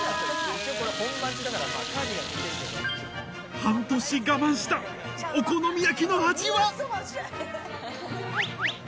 半年我慢したお好み焼きの味は？